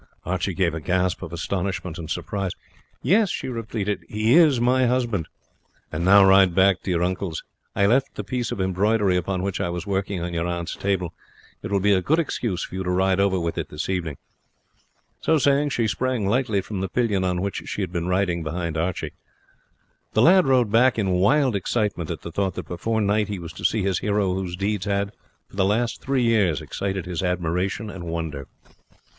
Archie gave a gasp of astonishment and surprise. "Yes," she repeated, "he is my husband. And now ride back to your uncle's. I left the piece of embroidery upon which I was working on your aunt's table. It will be a good excuse for you to ride over with it this evening." So saying, she sprang lightly from the pillion on which she had been riding behind Archie. The lad rode back in wild excitement at the thought that before night he was to see his hero whose deeds had, for the last three years, excited his admiration and wonder.